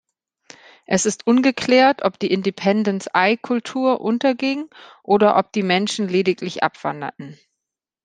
Es ist ungeklärt, ob die Independence-I-Kultur unterging, oder ob die Menschen lediglich abwanderten.